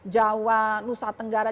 jawa nusa tenggara